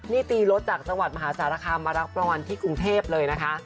นี่ตีรถจากจังหวัดมหาสารคามมารับรางวัลที่กรุงเทพเลยนะคะ